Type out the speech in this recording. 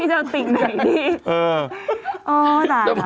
พี่จะเอาติ่งไหนดิ